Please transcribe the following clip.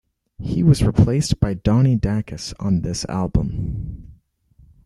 He was replaced by Donnie Dacus on this album.